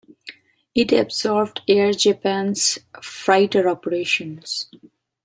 It absorbed Air Japan's freighter operations.